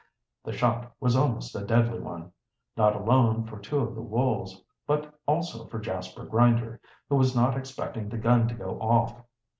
The shot was almost a deadly one, not alone for two of the wolves, but also for Jasper Grinder, who was not expecting the gun to go off.